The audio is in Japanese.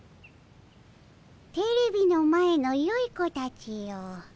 テレビの前のよい子たちよ。